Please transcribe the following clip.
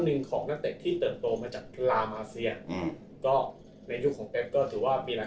ซึ่งเมสซี่เราก็เคยเล่าไปแล้ว